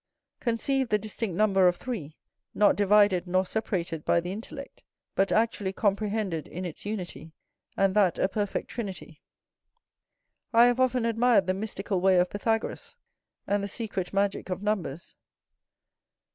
Conceive the distinct number of three, not divided nor separated by the intellect, but actually comprehended in its unity, and that a perfect trinity. I have often admired the mystical way of Pythagoras, and the secret magick of numbers.